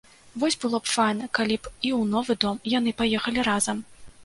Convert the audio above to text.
Вось было б файна, калі б і ў новы дом яны паехалі разам!